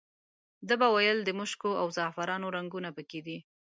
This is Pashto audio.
ده به ویل د مشکو او زعفرانو رنګونه په کې دي.